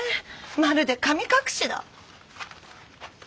まるで神隠しだ。